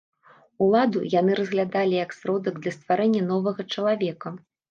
Уладу яны разглядалі як сродак для стварэння новага чалавека.